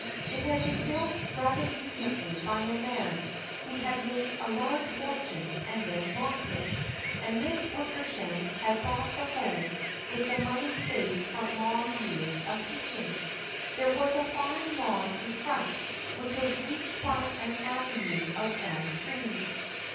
It had been built rather recently by a man who had made a large fortune and then lost it, and Miss Wicker sham had bought the house with the money saved from long years of teaching. There was a fine lawn in front which was reached by an avenue of elm trees.